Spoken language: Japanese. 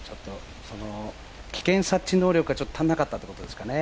危険察知能力がちょっと足りなかったということですかね。